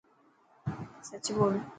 سچ ٻول.